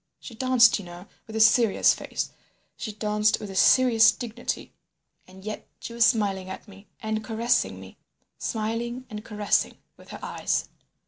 She danced, you know, with a serious face; she danced with a serious dignity, and yet she was smiling at me and caressing me—smiling and caressing with her eyes.